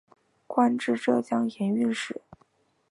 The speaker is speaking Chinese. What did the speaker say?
官至浙江盐运使。